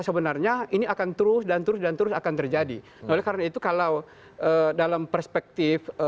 sebenarnya ini akan terus dan terus dan terus akan terjadi oleh karena itu kalau dalam perspektif